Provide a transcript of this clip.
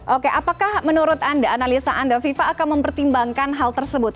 oke apakah menurut anda analisa anda fifa akan mempertimbangkan hal tersebut